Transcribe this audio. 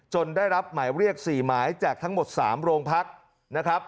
ได้รับหมายเรียก๔หมายแจกทั้งหมด๓โรงพักนะครับ